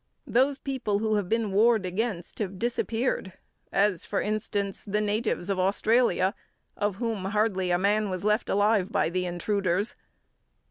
Those people who have been warred against have disappeared, as, for instance, the natives of Australia, of whom hardly a man was left alive by the intruders.